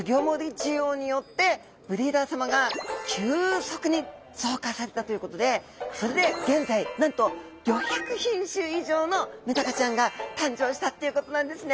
需要によってブリーダーさまが急速に増加されたということでそれで現在なんと５００品種以上のメダカちゃんが誕生したっていうことなんですね。